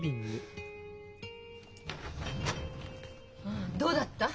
ああどうだった？